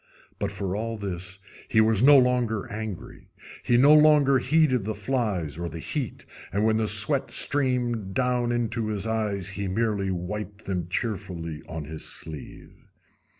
But, for all this, he was no longer angry; he no longer heeded the flies or the heat, and when the sweat streamed down into his eyes he merely wiped them cheerfully on his sleeve.